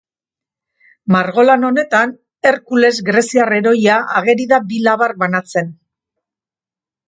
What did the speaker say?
Margolan honetan Herkules greziar heroia ageri da bi labar banatzen.